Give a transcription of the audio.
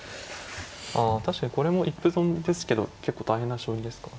あ確かにこれも一歩損ですけど結構大変な将棋ですか。